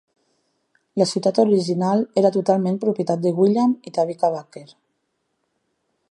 La ciutat original era totalment propietat de William i Tabitha Baker.